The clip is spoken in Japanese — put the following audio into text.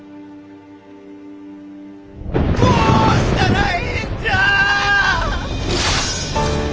どうしたらええんじゃあ！